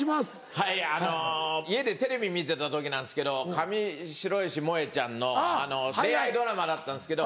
はい家でテレビ見てた時なんですけど上白石萌音ちゃんの恋愛ドラマだったんですけど。